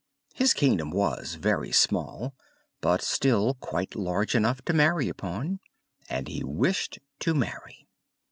His kingdom was very small, but still quite large enough to marry upon; and he wished to marry.